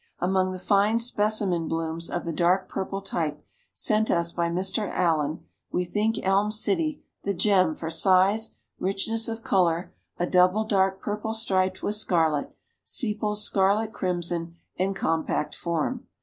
Among the fine specimen blooms of the dark purple type sent us by Mr. Allen, we think Elm City the gem for size, richness of color a double dark purple striped with scarlet, sepals scarlet crimson and compact form.